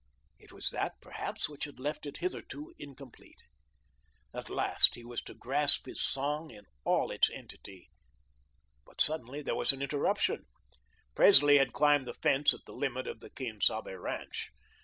It was that, perhaps, which had left it hitherto incomplete. At last he was to grasp his song in all its entity. But suddenly there was an interruption. Presley had climbed the fence at the limit of the Quien Sabe ranch.